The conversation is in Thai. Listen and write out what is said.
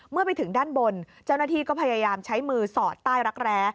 เมื่อไปถึงด้านบนเจ้าหน้าที่ก็พยายามใช้มือสอดใต้รักแร้